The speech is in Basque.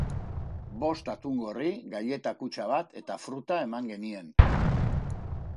Bost atungorri, gaileta kutxa bat eta fruta eman genien.